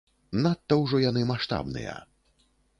Надта ўжо яны маштабныя.